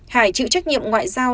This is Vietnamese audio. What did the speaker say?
hải chịu trách nhiệm ngoại giao